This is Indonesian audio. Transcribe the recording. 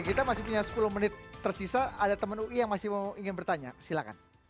kita masih punya sepuluh menit tersisa ada teman ui yang masih ingin bertanya silakan